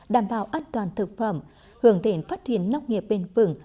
đảm bảo an toàn thực phẩm hưởng định phát triển nông nghiệp bền phường